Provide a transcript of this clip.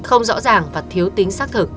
không rõ ràng và thiếu tính xác thực